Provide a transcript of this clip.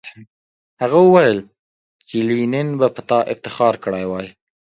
هغه وویل چې لینن به په تا افتخار کړی وای